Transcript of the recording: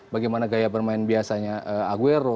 bagaimana gaya bermain biasanya aguero